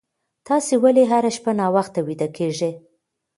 تاسي ولې هره شپه ناوخته ویده کېږئ؟